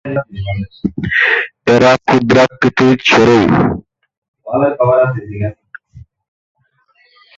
এরা ক্ষুদ্রাকৃতির চড়ুই।